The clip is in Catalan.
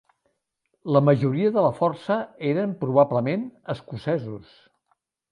La majoria de la força eren probablement escocesos.